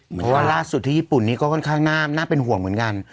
เพราะว่าล่าสุดที่ญี่ปุ่นนี้ก็ค่อนข้างน่าเป็นห่วงเหมือนกัน